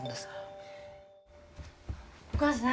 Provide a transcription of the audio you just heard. お母さん